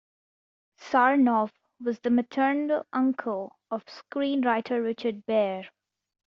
Sarnoff was the maternal uncle of screenwriter Richard Baer.